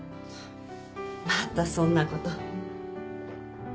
またそんなこと。